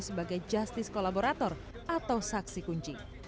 sebagai justice kolaborator atau saksi kunci